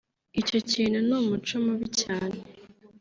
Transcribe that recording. icyo kintu ni umuco mubi cyane